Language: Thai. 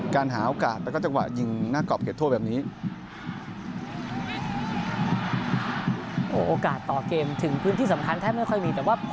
หาโอกาสแล้วก็จังหวะยิงหน้ากรอบเขตโทษแบบนี้